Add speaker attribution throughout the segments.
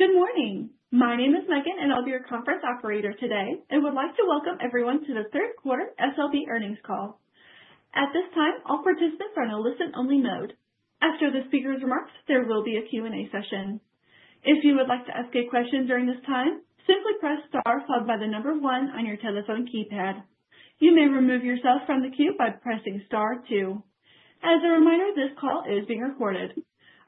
Speaker 1: Good morning. My name is Megan, and I'll be your conference operator today and would like to welcome everyone to the third quarter SLB earnings call. At this time, all participants are in a listen-only mode. After the speaker's remarks, there will be a Q&A session. If you would like to ask a question during this time, simply press star followed by the number one on your telephone keypad. You may remove yourself from the queue by pressing star two. As a reminder, this call is being recorded.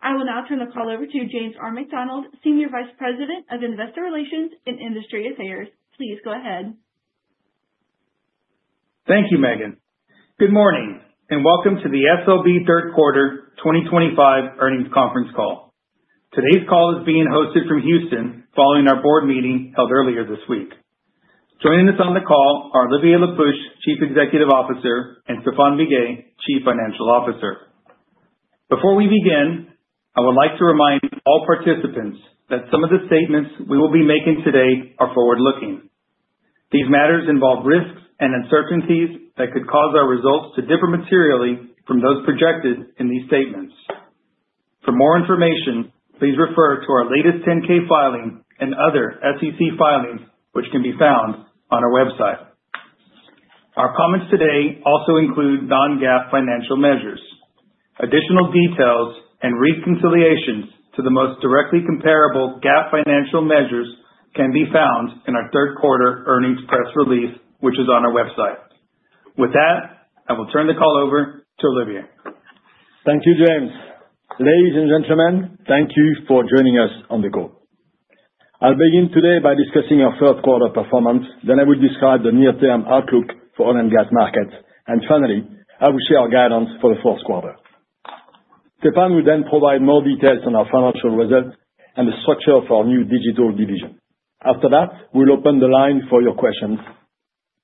Speaker 1: I will now turn the call over to James R. McDonald, Senior Vice President of Investor Relations and Industry Affairs. Please go ahead.
Speaker 2: Thank you, Megan. Good morning and welcome to the SLB Third Quarter 2025 Earnings Conference Call. Today's call is being hosted from Houston following our board meeting held earlier this week. Joining us on the call are Olivier Le Peuch, Chief Executive Officer, and Stephane Biguet, Chief Financial Officer. Before we begin, I would like to remind all participants that some of the statements we will be making today are forward-looking. These matters involve risks and uncertainties that could cause our results to differ materially from those projected in these statements. For more information, please refer to our latest 10-K filing and other SEC filings, which can be found on our website. Our comments today also include non-GAAP financial measures. Additional details and reconciliations to the most directly comparable GAAP financial measures can be found in our third quarter earnings press release, which is on our website. With that, I will turn the call over to Olivier.
Speaker 3: Thank you, James. Ladies and gentlemen, thank you for joining us on the call. I'll begin today by discussing our third quarter performance. Then I will describe the near-term outlook for oil and gas markets. And finally, I will share our guidance for the fourth quarter. Stephane will then provide more details on our financial results and the structure of our new digital division. After that, we'll open the line for your questions.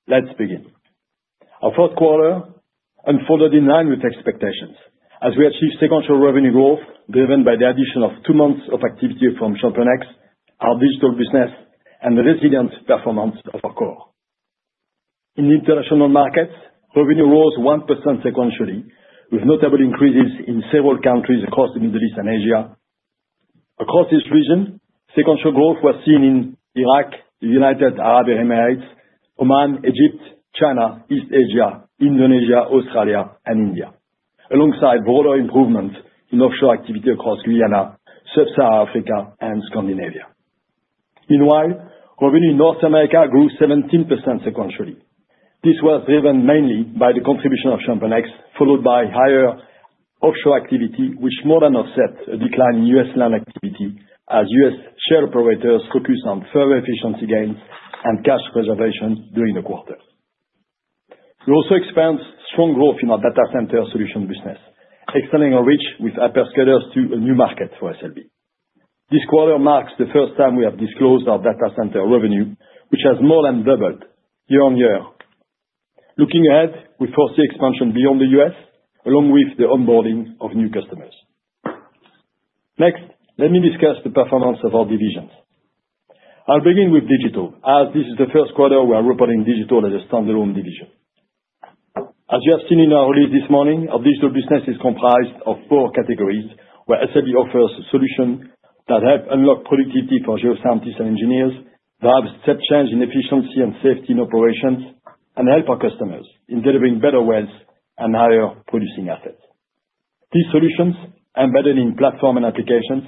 Speaker 3: Let's begin. Our third quarter unfolded in line with expectations as we achieved sequential revenue growth driven by the addition of two months of activity from ChampionX, our digital business, and the resilient performance of our core. In international markets, revenue rose 1% sequentially, with notable increases in several countries across the Middle East and Asia. Across this region, sequential growth was seen in Iraq, the United Arab Emirates, Oman, Egypt, China, East Asia, Indonesia, Australia, and India, alongside broader improvements in offshore activity across Guyana, sub-Saharan Africa, and Scandinavia. Meanwhile, revenue in North America grew 17% sequentially. This was driven mainly by the contribution of ChampionX, followed by higher offshore activity, which more than offset a decline in U.S. land activity as U.S. shale operators focused on further efficiency gains and cash preservation during the quarter. We also experienced strong growth in our Data Center Solutions business, extending our reach with hyperscalers to a new market for SLB. This quarter marks the first time we have disclosed our data center revenue, which has more than doubled year-on-year. Looking ahead, we foresee expansion beyond the U.S., along with the onboarding of new customers. Next, let me discuss the performance of our divisions. I'll begin with Digital, as this is the first quarter we are reporting Digital as a standalone division. As you have seen in our release this morning, our digital business is comprised of four categories where SLB offers solutions that help unlock productivity for geoscientists and engineers, drive step change in efficiency and safety in operations, and help our customers in delivering better wells and higher producing assets. These solutions are embedded in Platforms and Applications,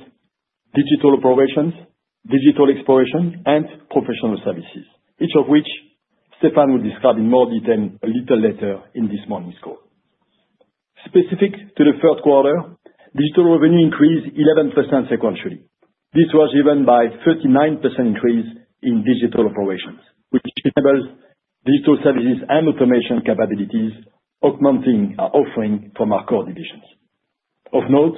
Speaker 3: Digital Operations, Digital Exploration, and Professional Services, each of which Stephane will describe in more detail a little later in this morning's call. Specific to the third quarter, digital revenue increased 11% sequentially. This was driven by a 39% increase in Digital Operations, which enables digital services and automation capabilities, augmenting our offering from our core divisions. Of note,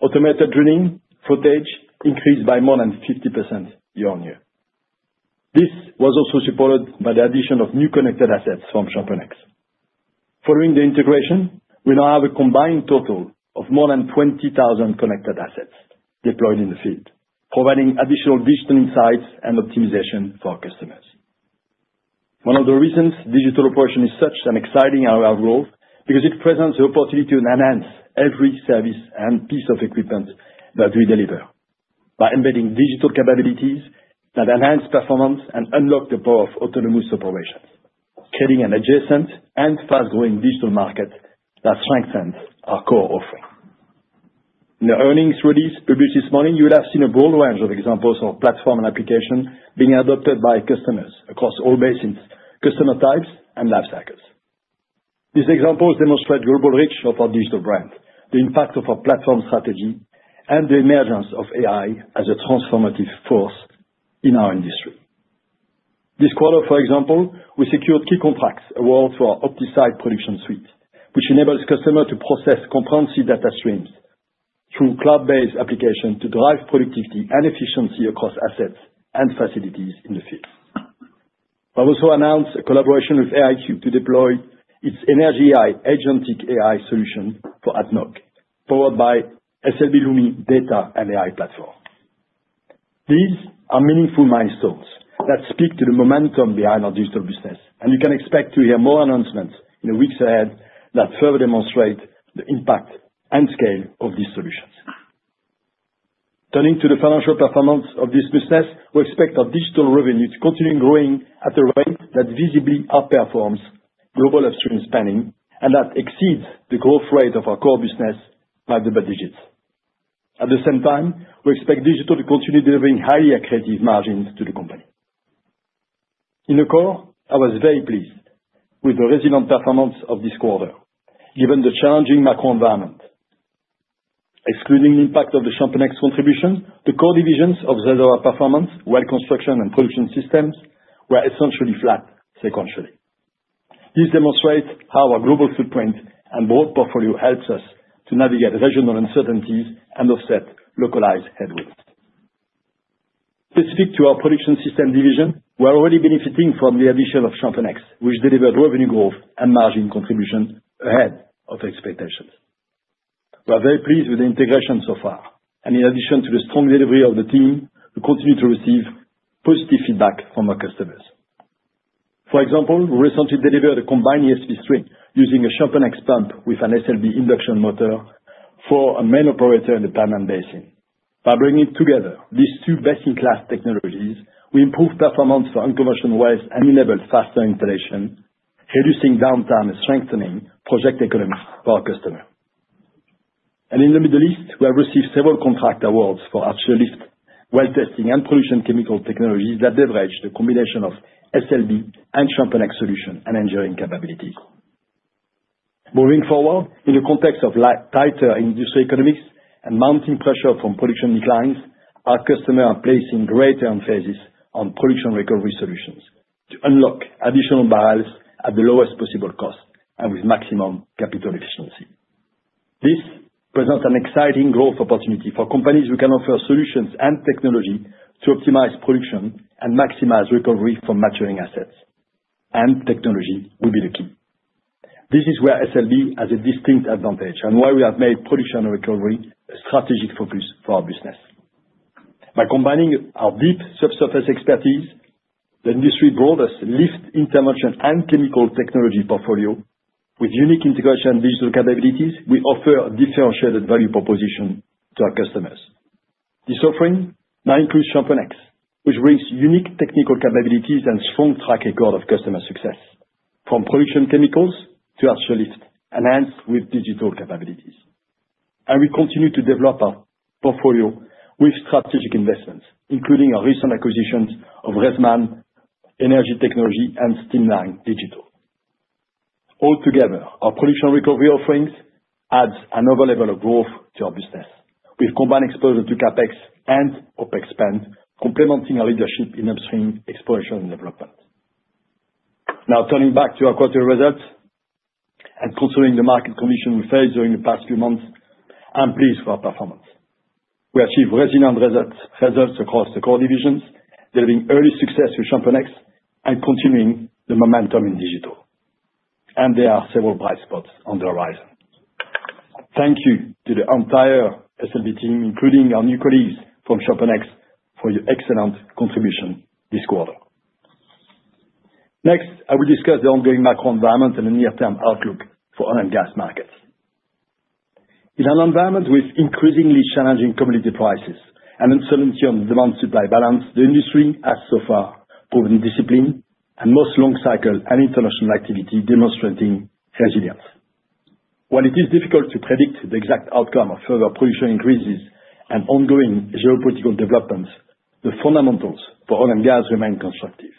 Speaker 3: automated drilling footage increased by more than 50% year-on-year. This was also supported by the addition of new connected assets from ChampionX. Following the integration, we now have a combined total of more than 20,000 connected assets deployed in the field, providing additional digital insights and optimization for our customers. One of the reasons digital operation is such an exciting area of growth is because it presents the opportunity to enhance every service and piece of equipment that we deliver by embedding digital capabilities that enhance performance and unlock the power of autonomous operations, creating an adjacent and fast-growing digital market that strengthens our core offering. In the earnings release published this morning, you will have seen a broad range of examples of platform and application being adopted by customers across all basins, customer types, and lifecycles. These examples demonstrate the global reach of our digital brand, the impact of our platform strategy, and the emergence of AI as a transformative force in our industry. This quarter, for example, we secured key contract awards to our OptiSite production suite, which enables customers to process comprehensive data streams through cloud-based applications to drive productivity and efficiency across assets and facilities in the field. We have also announced a collaboration with AIQ to deploy its ENERGYai agentic AI solution for ADNOC, powered by SLB Lumi Data and AI Platform. These are meaningful milestones that speak to the momentum behind our digital business, and you can expect to hear more announcements in the weeks ahead that further demonstrate the impact and scale of these solutions. Turning to the financial performance of this business, we expect our digital revenue to continue growing at a rate that visibly outperforms global upstream spending and that exceeds the growth rate of our core business by double digits. At the same time, we expect digital to continue delivering highly accurate margins to the company. In the core, I was very pleased with the resilient performance of this quarter, given the challenging macro environment. Excluding the impact of the ChampionX contributions, the core divisions of Reservoir Performance, Well Construction, and Production Systems were essentially flat sequentially. This demonstrates how our global footprint and broad portfolio helps us to navigate regional uncertainties and offset localized headwinds. Specific to our Production Systems division, we are already benefiting from the addition of ChampionX, which delivered revenue growth and margin contribution ahead of expectations. We are very pleased with the integration so far, and in addition to the strong delivery of the team, we continue to receive positive feedback from our customers. For example, we recently delivered a combined ESP switch using a ChampionX pump with an SLB induction motor for a major operator in the Permian Basin. By bringing together these two best-in-class technologies, we improved performance for unconventional wells and enabled faster installation, reducing downtime and strengthening project economy for our customer, and in the Middle East, we have received several contract awards for artificial lift, well testing, and production chemical technologies that leverage the combination of SLB and ChampionX solution and engineering capabilities. Moving forward, in the context of tighter industry economics and mounting pressure from production declines, our customers are placing greater emphasis on production recovery solutions to unlock additional barrels at the lowest possible cost and with maximum capital efficiency. This presents an exciting growth opportunity for companies who can offer solutions and technology to optimize production and maximize recovery from maturing assets, and technology will be the key. This is where SLB has a distinct advantage and why we have made production and recovery a strategic focus for our business. By combining our deep subsurface expertise, the industry broadest lift, intervention, and chemical technology portfolio with unique integration and digital capabilities, we offer a differentiated value proposition to our customers. This offering now includes ChampionX, which brings unique technical capabilities and a strong track record of customer success from production chemicals to artificial lift, enhanced with digital capabilities. And we continue to develop our portfolio with strategic investments, including our recent acquisitions of Resman Energy Technology and Stimline Digital. Altogether, our production recovery offerings add another level of growth to our business with combined exposure to CapEx and OpEx spend, complementing our leadership in upstream exploration and development. Now, turning back to our quarterly results and considering the market condition we faced during the past few months, I'm pleased with our performance. We achieved resilient results across the core divisions, delivering early success with ChampionX and continuing the momentum in Digital. And there are several bright spots on the horizon. Thank you to the entire SLB team, including our new colleagues from ChampionX, for your excellent contribution this quarter. Next, I will discuss the ongoing macro environment and the near-term outlook for oil and gas markets. In an environment with increasingly challenging commodity prices and uncertainty on the demand-supply balance, the industry has so far proven discipline, and most long-cycle and international activity demonstrating resilience. While it is difficult to predict the exact outcome of further production increases and ongoing geopolitical developments, the fundamentals for oil and gas remain constructive.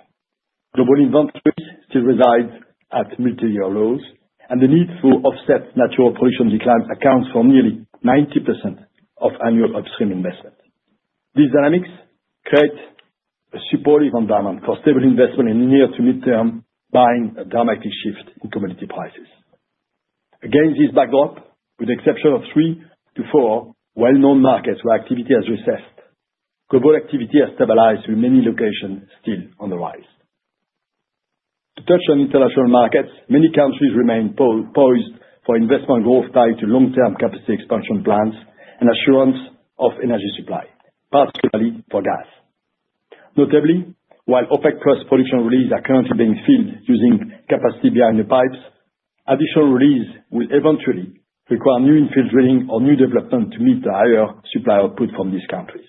Speaker 3: Global inventories still reside at multi-year lows, and the need to offset natural production declines accounts for nearly 90% of annual upstream investment. These dynamics create a supportive environment for stable investment in the near- to mid-term, barring a dramatic shift in commodity prices. Against this backdrop, with the exception of three to four well-known markets where activity has recessed, global activity has stabilized with many locations still on the rise. To touch on international markets, many countries remain poised for investment growth tied to long-term capacity expansion plans and assurance of energy supply, particularly for gas. Notably, while OPEC+ production releases are currently being filled using capacity behind the pipes, additional releases will eventually require new infrastructure or new development to meet the higher supply output from these countries.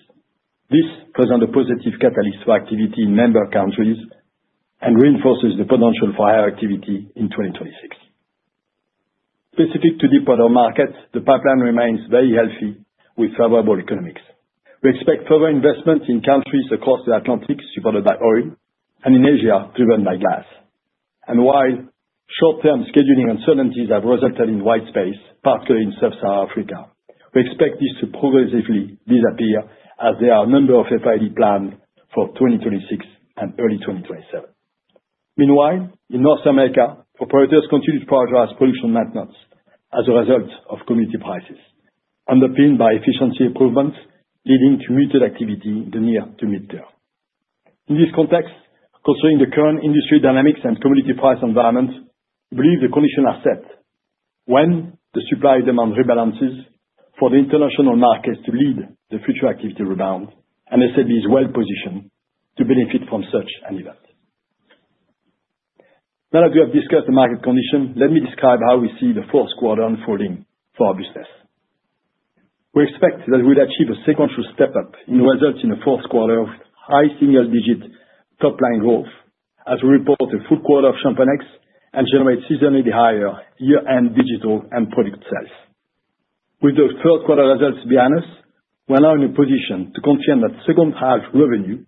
Speaker 3: This presents a positive catalyst for activity in member countries and reinforces the potential for higher activity in 2026. Specific to deepwater markets, the pipeline remains very healthy with favorable economics. We expect further investment in countries across the Atlantic supported by oil and in Asia driven by gas, and while short-term scheduling uncertainties have resulted in white space, particularly in sub-Saharan Africa, we expect this to progressively disappear as there are a number of FID plans for 2026 and early 2027. Meanwhile, in North America, operators continue to prioritize production maintenance as a result of commodity prices, underpinned by efficiency improvements leading to muted activity in the near to midterm. In this context, considering the current industry dynamics and commodity price environment, we believe the conditions are set when the supply-demand rebalances for the international markets to lead the future activity rebound, and SLB is well-positioned to benefit from such an event. Now that we have discussed the market condition, let me describe how we see the fourth quarter unfolding for our business. We expect that we will achieve a sequential step-up in results in the fourth quarter with high single-digit top-line growth as we report the full quarter of ChampionX and generate seasonally higher year-end digital and product sales. With the third quarter results behind us, we are now in a position to confirm that second-half revenue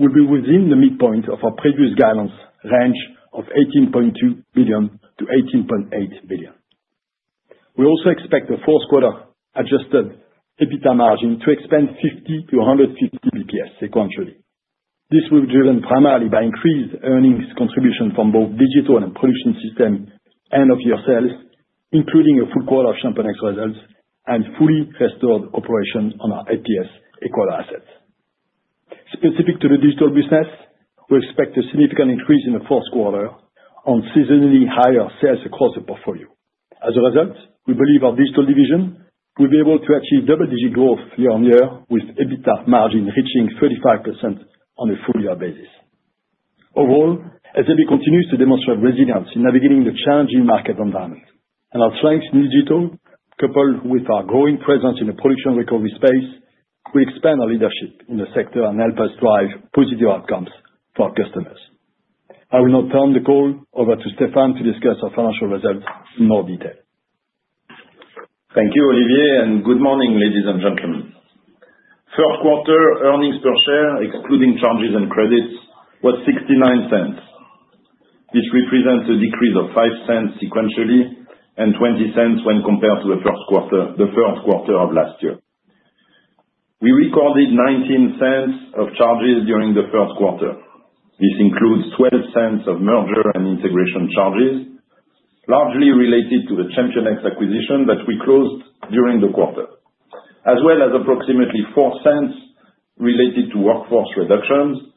Speaker 3: will be within the midpoint of our previous guidance range of $18.2 billion-$18.8 billion. We also expect the fourth quarter adjusted EBITDA margin to expand 50-150 basis points sequentially. This will be driven primarily by increased earnings contribution from both Digital and Production Systems and offshore sales, including a full quarter of ChampionX results and fully restored operations on our ESP-equipped assets. Specific to the Digital business, we expect a significant increase in the fourth quarter on seasonally higher sales across the portfolio. As a result, we believe our Digital division will be able to achieve double-digit growth year-on-year with EBITDA margin reaching 35% on a full-year basis. Overall, SLB continues to demonstrate resilience in navigating the challenging market environment, and our strength in Digital, coupled with our growing presence in the production recovery space, will expand our leadership in the sector and help us drive positive outcomes for our customers. I will now turn the call over to Stephane to discuss our financial results in more detail.
Speaker 4: Thank you, Olivier, and good morning, ladies and gentlemen. First quarter earnings per share, excluding charges and credits, was $0.69. This represents a decrease of $0.05 sequentially and $0.20 when compared to the third quarter of last year. We recorded $0.19 of charges during the third quarter. This includes $0.12 of merger and integration charges, largely related to the ChampionX acquisition that we closed during the quarter, as well as approximately $0.04 related to workforce reductions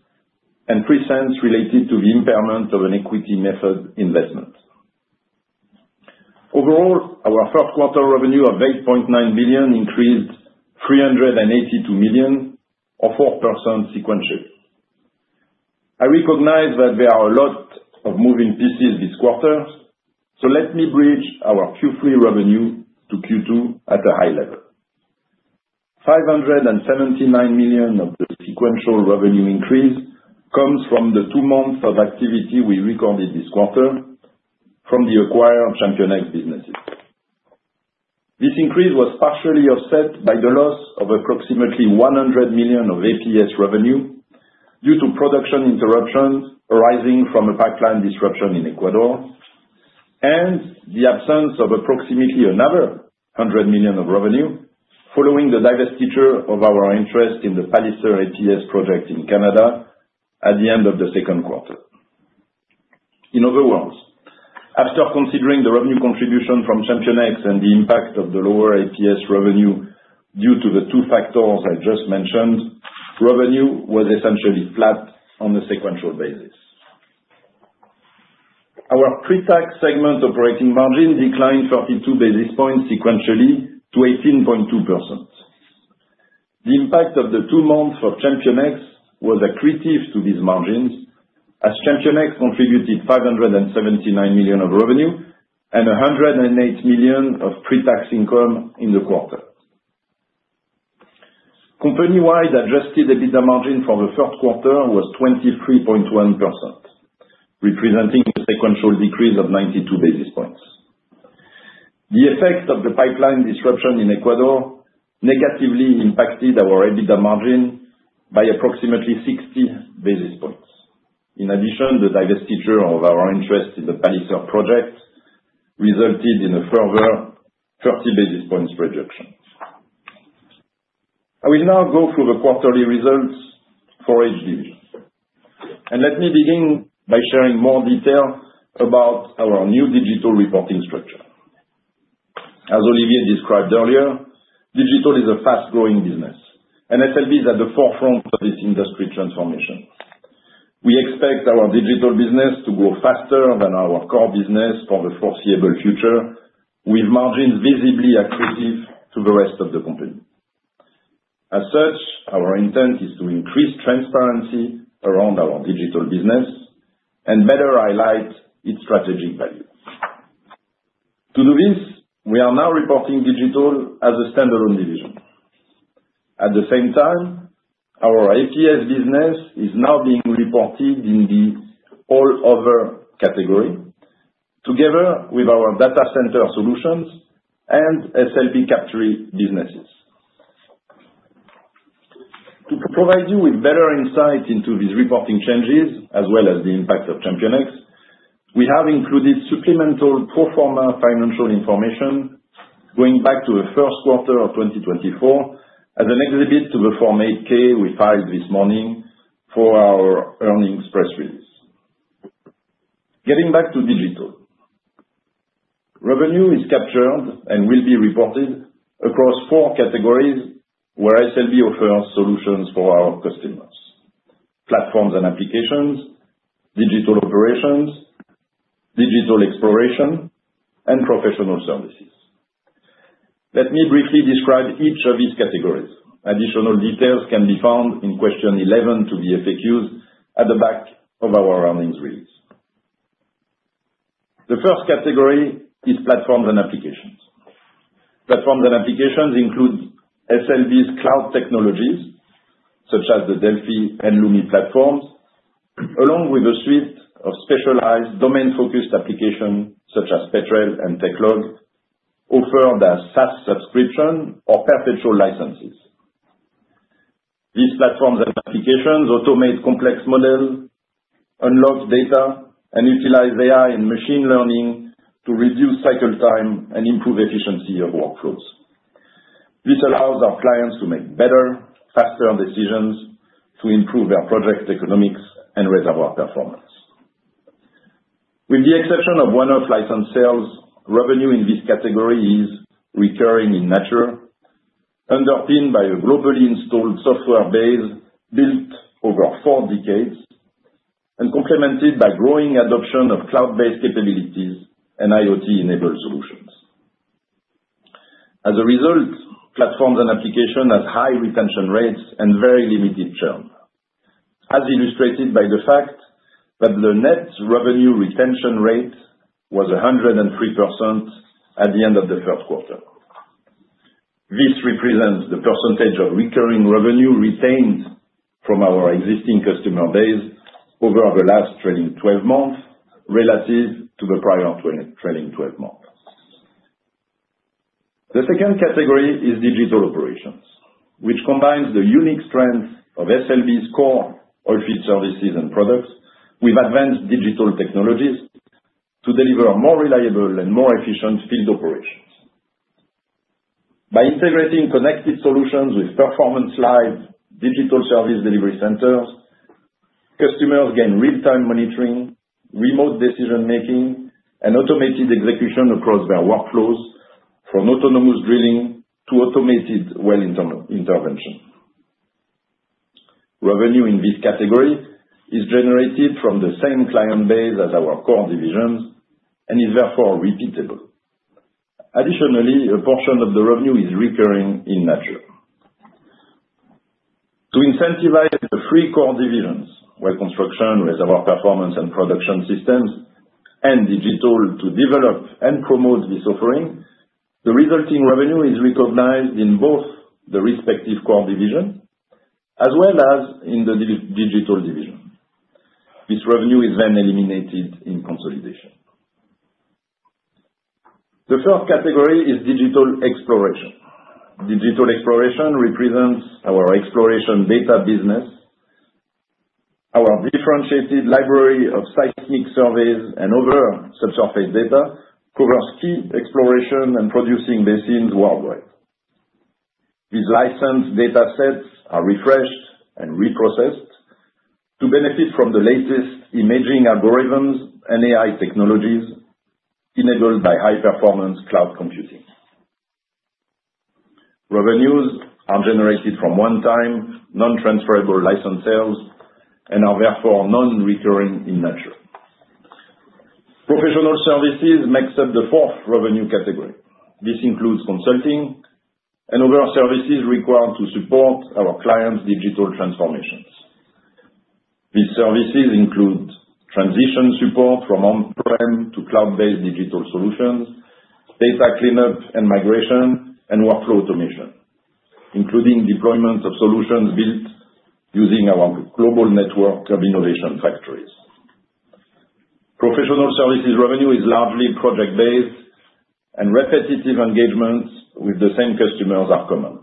Speaker 4: and $0.03 related to the impairment of an equity method investment. Overall, our first quarter revenue of $8.9 billion increased $382 million or 4% sequentially. I recognize that there are a lot of moving pieces this quarter, so let me bridge our Q3 revenue to Q2 at a high level. $579 million of the sequential revenue increase comes from the two months of activity we recorded this quarter from the acquired ChampionX businesses. This increase was partially offset by the loss of approximately $100 million of APS revenue due to production interruptions arising from a pipeline disruption in Ecuador and the absence of approximately another $100 million of revenue following the divestiture of our interest in the Palliser APS project in Canada at the end of the second quarter. In other words, after considering the revenue contribution from ChampionX and the impact of the lower APS revenue due to the two factors I just mentioned, revenue was essentially flat on a sequential basis. Our pre-tax segment operating margin declined 32 basis points sequentially to 18.2%. The impact of the two months of ChampionX was accretive to these margins as ChampionX contributed $579 million of revenue and $108 million of pre-tax income in the quarter. Company-wide adjusted EBITDA margin for the third quarter was 23.1%, representing a sequential decrease of 92 basis points. The effect of the pipeline disruption in Ecuador negatively impacted our EBITDA margin by approximately 60 basis points. In addition, the divestiture of our interest in the Palliser project resulted in a further 30 basis points reduction. I will now go through the quarterly results for each division, and let me begin by sharing more detail about our new Digital reporting structure. As Olivier described earlier, Digital is a fast-growing business, and SLB is at the forefront of this industry transformation. We expect our Digital business to grow faster than our core business for the foreseeable future, with margins visibly accretive to the rest of the company. As such, our intent is to increase transparency around our Digital business and better highlight its strategic value. To do this, we are now reporting Digital as a standalone division. At the same time, our APS business is now being reported in the all-other category together with our data center solutions and SLB Capturi businesses. To provide you with better insight into these reporting changes, as well as the impact of ChampionX, we have included supplemental pro forma financial information going back to the first quarter of 2024 as an exhibit to the Form 8-K we filed this morning for our earnings press release. Getting back to Digital, revenue is captured and will be reported across four categories where SLB offers solutions for our customers: Platforms and Applications, Digital Operations, Digital Exploration, and Professional Services. Let me briefly describe each of these categories. Additional details can be found in question 11 of the FAQs at the back of our earnings release. The first category is Platforms and Applications. Platforms and applications include SLB's cloud technologies such as the DELFI and Lumi platforms, along with a suite of specialized domain-focused applications such as Petrel and Techlog offered as SaaS subscription or perpetual licenses. These platforms and applications automate complex models, unlock data, and utilize AI and machine learning to reduce cycle time and improve efficiency of workflows. This allows our clients to make better, faster decisions to improve their project economics and reservoir performance. With the exception of one-off license sales, revenue in this category is recurring in nature, underpinned by a globally installed software base built over four decades and complemented by growing adoption of cloud-based capabilities and IoT-enabled solutions. As a result, Platforms and Applications have high retention rates and very limited churn, as illustrated by the fact that the net revenue retention rate was 103% at the end of the third quarter. This represents the percentage of recurring revenue retained from our existing customer base over the last trailing 12 months relative to the prior trailing 12 months. The second category is Digital Operations, which combines the unique strength of SLB's core oilfield services and products with advanced digital technologies to deliver more reliable and more efficient field operations. By integrating connected solutions with Performance Live digital service delivery centers, customers gain real-time monitoring, remote decision-making, and automated execution across their workflows from autonomous drilling to automated well intervention. Revenue in this category is generated from the same client base as our core divisions and is therefore repeatable. Additionally, a portion of the revenue is recurring in nature. To incentivize the three core divisions, Well Construction, Reservoir Performance, and Production Systems, and Digital to develop and promote this offering, the resulting revenue is recognized in both the respective core divisions as well as in the Digital division. This revenue is then eliminated in consolidation. The third category is Digital Exploration. Digital Exploration represents our exploration data business. Our differentiated library of seismic surveys and other subsurface data covers key exploration and producing basins worldwide. These licensed data sets are refreshed and reprocessed to benefit from the latest imaging algorithms and AI technologies enabled by high-performance cloud computing. Revenues are generated from one-time non-transferable license sales and are therefore non-recurring in nature. Professional Services makes up the fourth revenue category. This includes consulting and other services required to support our clients' digital transformations. These services include transition support from on-prem to cloud-based digital solutions, data cleanup and migration, and workflow automation, including deployment of solutions built using our global network of innovation factories. Professional Services revenue is largely project-based, and repetitive engagements with the same customers are common.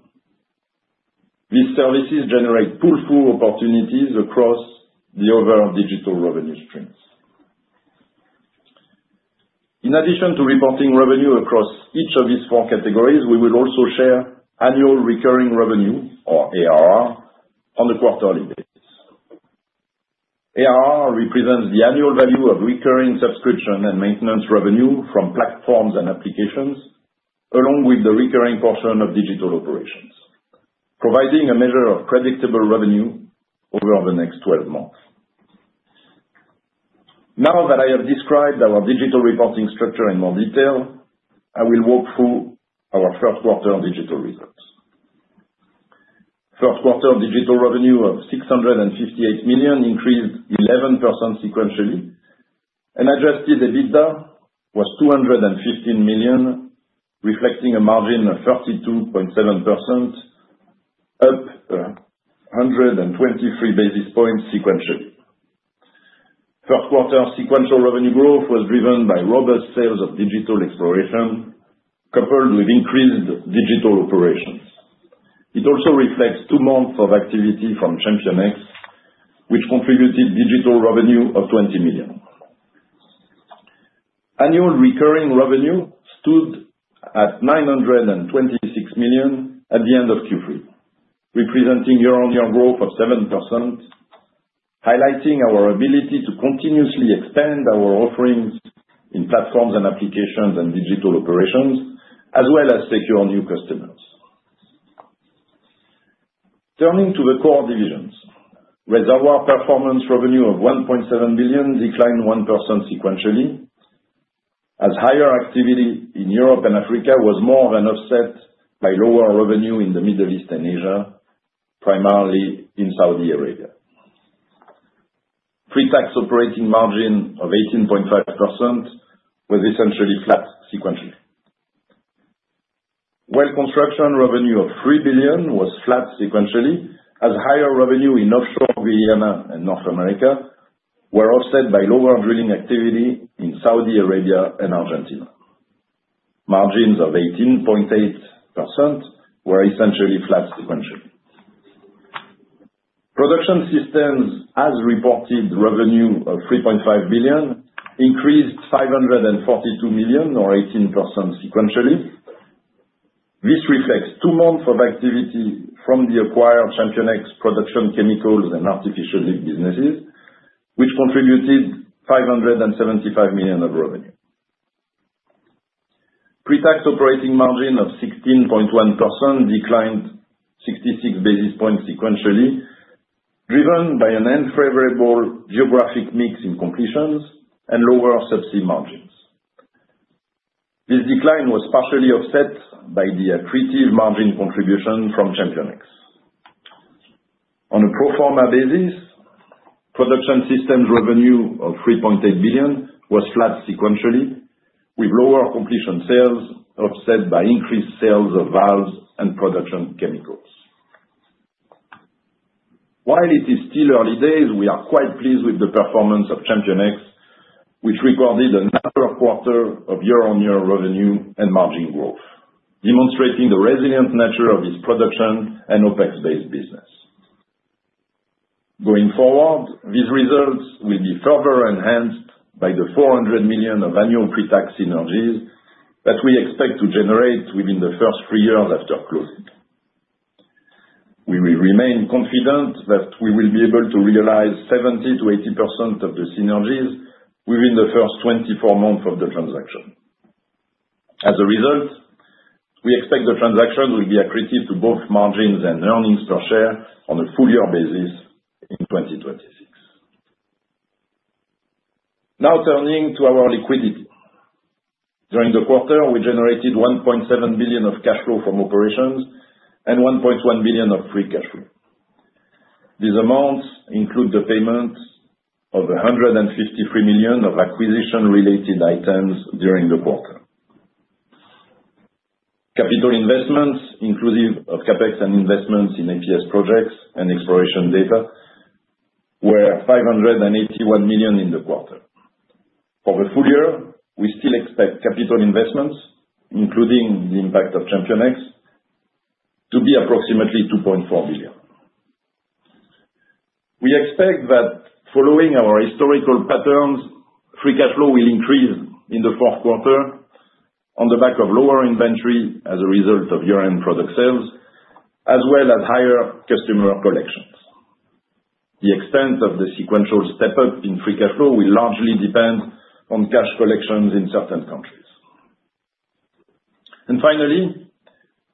Speaker 4: These services generate pull-through opportunities across the overall Digital revenue streams. In addition to reporting revenue across each of these four categories, we will also share annual recurring revenue, or ARR, on a quarterly basis. ARR represents the annual value of recurring subscription and maintenance revenue from platforms and applications, along with the recurring portion of Digital operations, providing a measure of predictable revenue over the next 12 months. Now that I have described our Digital reporting structure in more detail, I will walk through our first quarter Digital results. First quarter Digital revenue of $658 million increased 11% sequentially, and adjusted EBITDA was $215 million, reflecting a margin of 32.7%, up 123 basis points sequentially. First quarter sequential revenue growth was driven by robust sales of Digital exploration, coupled with increased Digital Operations. It also reflects two months of activity from ChampionX, which contributed Digital revenue of $20 million. Annual recurring revenue stood at $926 million at the end of Q3, representing year-on-year growth of 7%, highlighting our ability to continuously expand our offerings in platforms and applications and Digital operations, as well as secure new customers. Turning to the core divisions, reservoir performance revenue of $1.7 billion declined 1% sequentially as higher activity in Europe and Africa was more than offset by lower revenue in the Middle East and Asia, primarily in Saudi Arabia. Pre-tax operating margin of 18.5% was essentially flat sequentially. Well Construction revenue of $3 billion was flat sequentially as higher revenue in offshore Guyana and North America were offset by lower drilling activity in Saudi Arabia and Argentina. Margins of 18.8% were essentially flat sequentially. Production Systems, as reported, revenue of $3.5 billion increased $542 million, or 18% sequentially. This reflects two months of activity from the acquired ChampionX production chemicals and artificial lift businesses, which contributed $575 million of revenue. Pre-tax operating margin of 16.1% declined 66 basis points sequentially, driven by an unfavorable geographic mix in Completions and lower Subsea margins. This decline was partially offset by the accretive margin contribution from ChampionX. On a pro forma basis, Production Systems revenue of $3.8 billion was flat sequentially, with lower completion sales offset by increased sales of valves and production chemicals. While it is still early days, we are quite pleased with the performance of ChampionX, which recorded another quarter of year-on-year revenue and margin growth, demonstrating the resilient nature of its production and OpEx-based business. Going forward, these results will be further enhanced by the $400 million of annual pre-tax synergies that we expect to generate within the first three years after closing. We will remain confident that we will be able to realize 70%-80% of the synergies within the first 24 months of the transaction. As a result, we expect the transaction will be accretive to both margins and earnings per share on a full-year basis in 2026. Now turning to our liquidity. During the quarter, we generated $1.7 billion of cash flow from operations and $1.1 billion of free cash flow. These amounts include the payment of $153 million of acquisition-related items during the quarter. Capital investments, inclusive of CapEx and investments in APS projects and exploration data, were $581 million in the quarter. For the full year, we still expect capital investments, including the impact of ChampionX, to be approximately $2.4 billion. We expect that following our historical patterns, free cash flow will increase in the fourth quarter on the back of lower inventory as a result of year-end product sales, as well as higher customer collections. The extent of the sequential step-up in free cash flow will largely depend on cash collections in certain countries, and finally,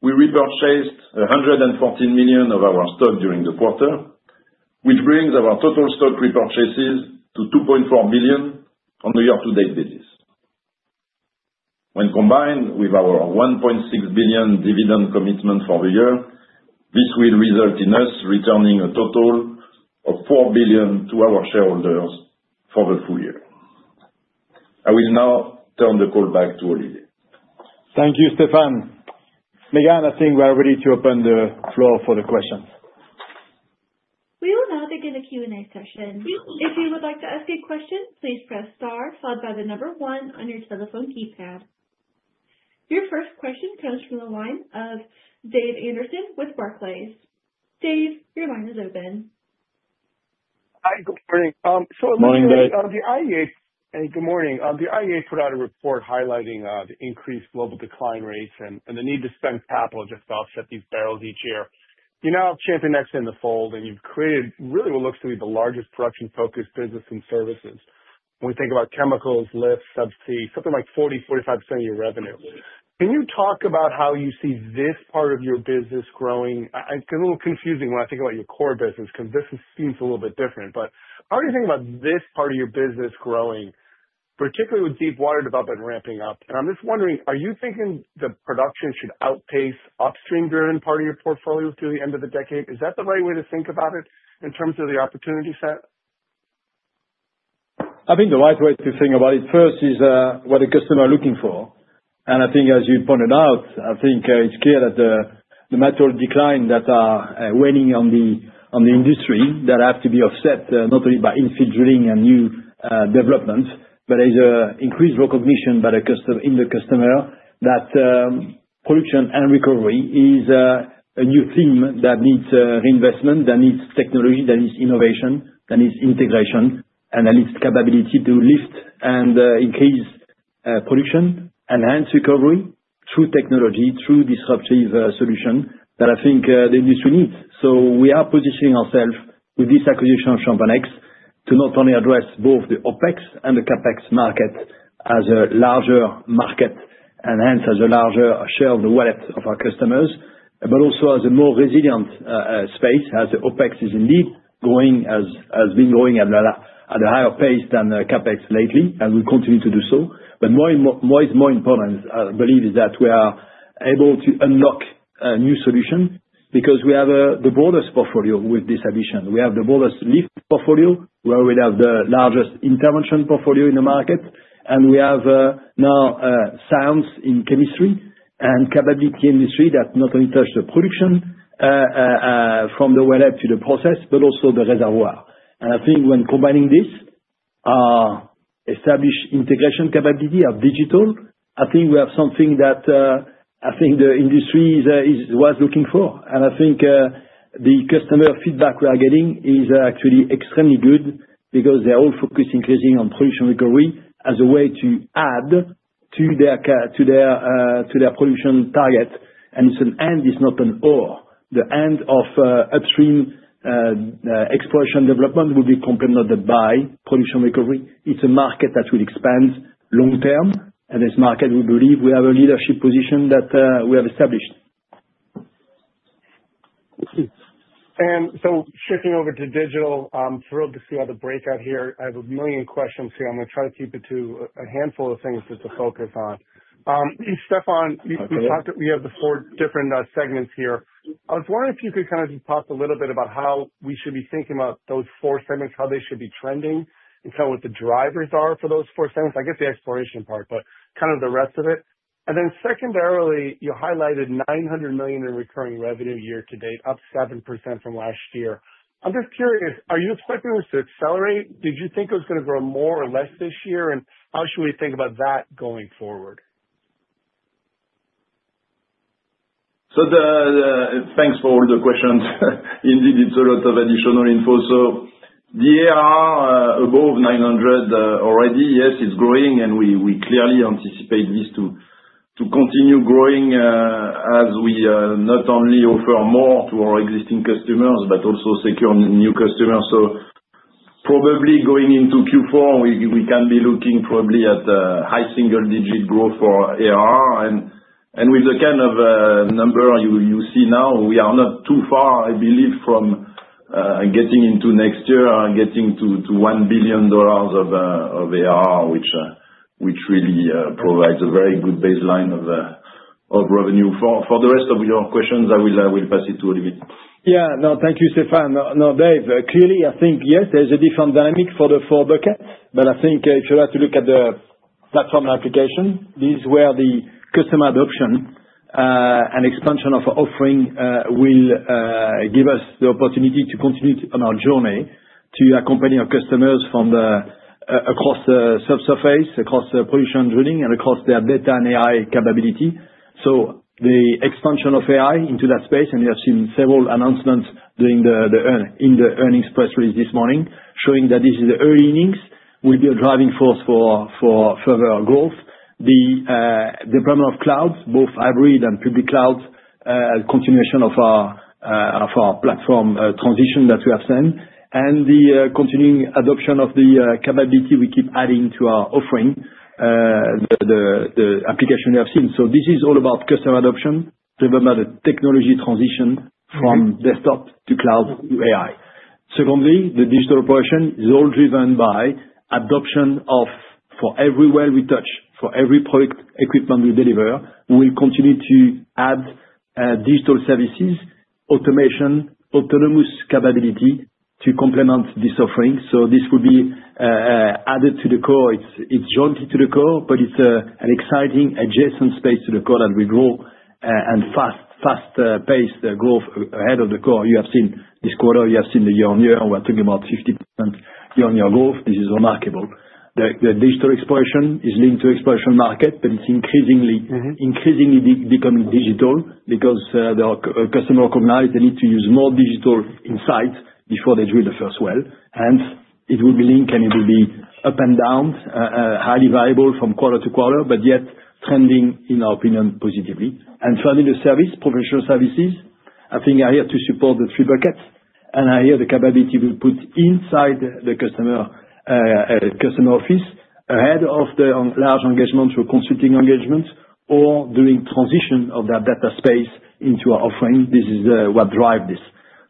Speaker 4: we repurchased $114 million of our stock during the quarter, which brings our total stock repurchases to $2.4 billion on the year-to-date basis. When combined with our $1.6 billion dividend commitment for the year, this will result in us returning a total of $4 billion to our shareholders for the full year. I will now turn the call back to Olivier.
Speaker 3: Thank you, Stephane. Megan, I think we are ready to open the floor for the questions.
Speaker 1: We will now begin the Q&A session. If you would like to ask a question, please press star followed by the number one on your telephone keypad. Your first question comes from the line of Dave Anderson with Barclays. Dave, your line is open.
Speaker 5: Hi, good morning. So the IEA. Hey, good morning. The IEA put out a report highlighting the increased global decline rates and the need to spend capital just to offset these barrels each year. You now have ChampionX in the fold, and you've created really what looks to be the largest production-focused business and services. When we think about chemicals, lifts, subsea, something like 40%-45% of your revenue. Can you talk about how you see this part of your business growing? It's a little confusing when I think about your core business because this seems a little bit different. But how do you think about this part of your business growing, particularly with deepwater development ramping up? And I'm just wondering, are you thinking the production should outpace upstream-driven part of your portfolio through the end of the decade? Is that the right way to think about it in terms of the opportunity set?
Speaker 3: I think the right way to think about it first is what the customer is looking for. I think, as you pointed out, I think it's clear that the natural decline that is waning in the industry that has to be offset not only by infiltrating a new development, but there's an increased recognition by the customer that production and recovery is a new theme that needs reinvestment, that needs technology, that needs innovation, that needs integration, and that needs capability to lift and increase production and hence recovery through technology, through disruptive solutions that I think the industry needs. We are positioning ourselves with this acquisition of ChampionX to not only address both the OpEx and the CapEx market as a larger market and hence as a larger share of the wallet of our customers, but also as a more resilient space as the OpEx has indeed been growing at a higher pace than CapEx lately, and we continue to do so. But what is more important, I believe, is that we are able to unlock new solutions because we have the broadest portfolio with this addition. We have the broadest lift portfolio where we have the largest intervention portfolio in the market, and we have now science in chemistry and capability industry that not only touch the production from the wellhead to the process, but also the reservoir. And I think when combining this, our established integration capability of Digital, I think we have something that I think the industry was looking for. And I think the customer feedback we are getting is actually extremely good because they're all focusing increasingly on production recovery as a way to add to their production target. And it's an end. It's not an OpEx. The end of upstream exploration development will be complemented by production recovery. It's a market that will expand long-term, and this market, we believe, we have a leadership position that we have established.
Speaker 5: And so shifting over to Digital, I'm thrilled to see all the breakout here. I have a million questions here. I'm going to try to keep it to a handful of things just to focus on. Stephane, we have the four different segments here. I was wondering if you could kind of just talk a little bit about how we should be thinking about those four segments, how they should be trending, and kind of what the drivers are for those four segments. I get the exploration part, but kind of the rest of it. And then secondarily, you highlighted $900 million in recurring revenue year-to-date, up 7% from last year. I'm just curious, are you expecting this to accelerate? Did you think it was going to grow more or less this year? And how should we think about that going forward?
Speaker 4: So thanks for all the questions. Indeed, it's a lot of additional info. So the ARR above $900 million already, yes, it's growing, and we clearly anticipate this to continue growing as we not only offer more to our existing customers but also secure new customers. So probably going into Q4, we can be looking probably at a high single-digit growth for ARR. And with the kind of number you see now, we are not too far, I believe, from getting into next year and getting to $1 billion of ARR, which really provides a very good baseline of revenue. For the rest of your questions, I will pass it to Olivier.
Speaker 3: Yeah. No, thank you, Stephane. No, Dave, clearly, I think, yes, there's a different dynamic for the four buckets, but I think if you'd like to look at Platforms and Applications, this is where the customer adoption and expansion of offering will give us the opportunity to continue on our journey to accompany our customers across the subsurface, across production, drilling, and across their data and AI capability, so the expansion of AI into that space, and we have seen several announcements in the earnings press release this morning showing that this is the early innings, will be a driving force for further growth. The deployment of clouds, both hybrid and public clouds, continuation of our platform transition that we have seen, and the continuing adoption of the capability we keep adding to our offering, the application we have seen. So this is all about customer adoption, driven by the technology transition from desktop to cloud to AI. Secondly, the Digital Operations is all driven by adoption of, for every well we touch, for every production equipment we deliver, we will continue to add digital services, automation, autonomous capability to complement this offering. So this will be added to the core. It's joined to the core, but it's an exciting adjacent space to the core that will grow and fast-paced growth ahead of the core. You have seen this quarter. You have seen the year-on-year. We're talking about 50% year-on-year growth. This is remarkable. The Digital Exploration is linked to exploration market, but it's increasingly becoming digital because the customer recognized they need to use more digital insights before they drill the first well. Hence, it will be linked, and it will be up and down, highly variable from quarter to quarter, but yet trending, in our opinion, positively, and finally, the service, Professional Services. I think we're here to support the three buckets, and the capability we put inside the customer office ahead of the large engagement through consulting engagements or during transition of that data space into our offering. This is what drives this,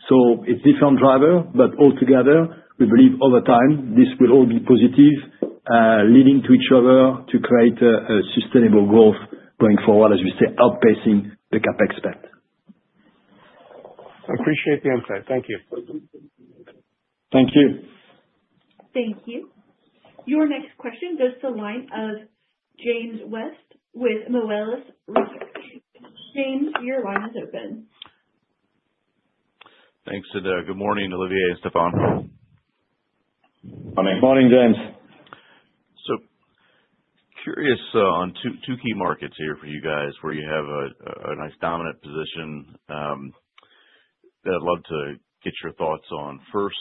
Speaker 3: so it's different drivers, but all together, we believe over time this will all be positive, leading to each other to create a sustainable growth going forward, as we say, outpacing the CapEx spend.
Speaker 5: I appreciate the insight. Thank you.
Speaker 3: Thank you.
Speaker 1: Thank you. Your next question goes to the line of James West with Melius Research. James, your line is open.
Speaker 6: Good morning, Olivier and Stephane.
Speaker 3: Morning, James.
Speaker 6: So curious on two key markets here for you guys where you have a nice dominant position. I'd love to get your thoughts on. First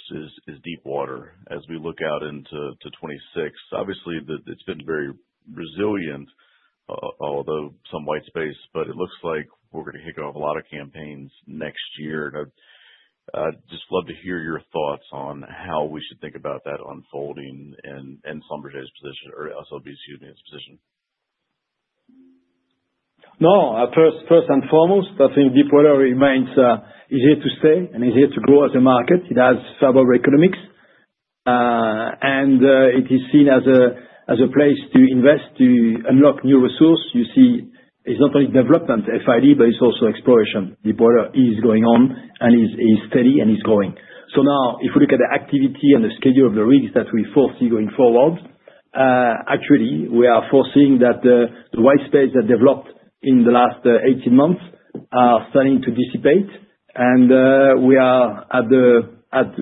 Speaker 6: is Deepwater as we look out into 2026. Obviously, it's been very resilient, although some white space, but it looks like we're going to kick off a lot of campaigns next year. I'd just love to hear your thoughts on how we should think about that unfolding and SLB's position, excuse me, its position.
Speaker 3: No, first and foremost, I think Deepwater remains easier to stay and easier to grow as a market. It has survival economics, and it is seen as a place to invest to unlock new resources. You see, it's not only development, FID, but it's also exploration. Deepwater is going on, and it's steady, and it's growing. So now, if we look at the activity and the schedule of the rigs that we foresee going forward, actually, we are foreseeing that the white space that developed in the last 18 months are starting to dissipate, and we are at the,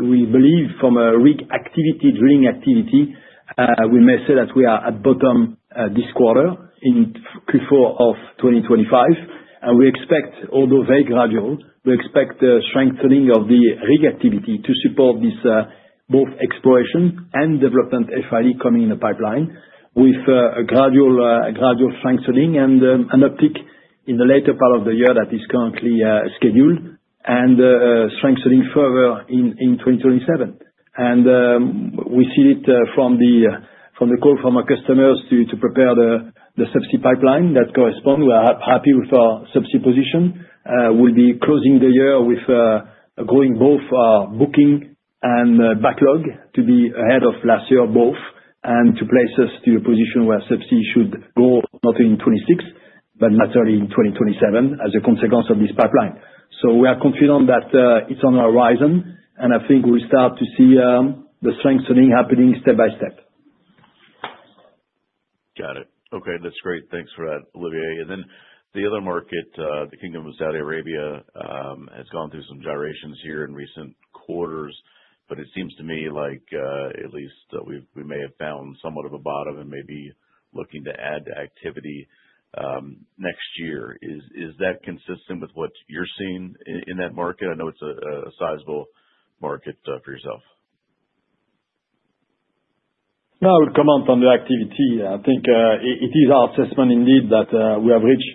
Speaker 3: we believe, from a rig activity, drilling activity, we may say that we are at bottom this quarter in Q4 of 2025. And we expect, although very gradual, we expect the strengthening of the rig activity to support this both exploration and development FID coming in the pipeline with a gradual strengthening and an uptick in the later part of the year that is currently scheduled and strengthening further in 2027. And we see it from the call from our customers to prepare the subsea pipeline that corresponds. We are happy with our subsea position. We'll be closing the year with growing both our booking and backlog to be ahead of last year both and to place us to a position where Subsea should grow not in 2026, but naturally in 2027 as a consequence of this pipeline. So we are confident that it's on our horizon, and I think we'll start to see the strengthening happening step by step.
Speaker 6: Got it. Okay. That's great. Thanks for that, Olivier, and then the other market, the Kingdom of Saudi Arabia, has gone through some gyrations here in recent quarters, but it seems to me like at least we may have found somewhat of a bottom and may be looking to add activity next year. Is that consistent with what you're seeing in that market? I know it's a sizable market for yourself.
Speaker 3: No, I would comment on the activity. I think it is our assessment indeed that we have reached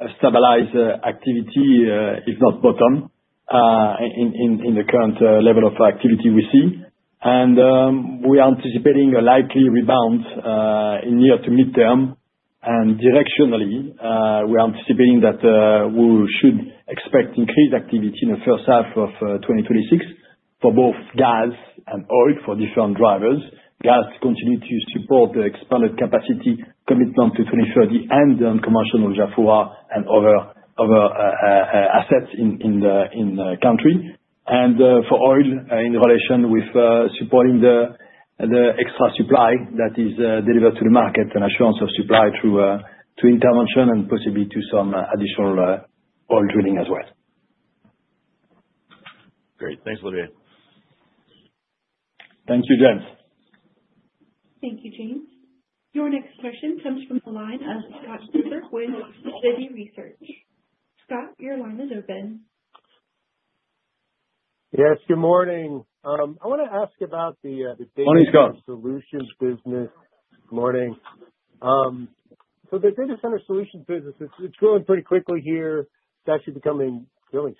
Speaker 3: a stabilized activity, if not bottom, in the current level of activity we see, and we are anticipating a likely rebound in near- to midterm, and directionally, we are anticipating that we should expect increased activity in the first half of 2026 for both gas and oil for different drivers, gas to continue to support the expanded capacity commitment to 2030 and the unconventional Jafurah and other assets in the country, and for oil in relation with supporting the extra supply that is delivered to the market and assurance of supply through intervention and possibly to some additional oil drilling as well.
Speaker 6: Great. Thanks, Olivier.
Speaker 3: Thank you, James.
Speaker 1: Thank you, James. Your next question comes from the line of Scott Gruber with Citi Research. Scott, your line is open.
Speaker 7: Yes. Good morning.I want to ask about the data center solutions business.
Speaker 3: Good morning,
Speaker 7: So the data center solutions business, it's growing pretty quickly here. It's actually becoming